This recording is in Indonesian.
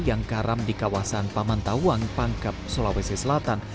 yang karam di kawasan paman tawang pangkep sulawesi selatan